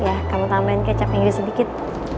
iya kamu tambahin kecapnya sedikit